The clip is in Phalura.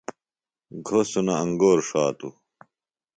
گھوسنہ انگور ݜاتوۡ۔